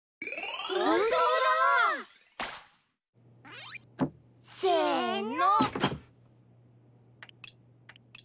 ほんとうだ！せの！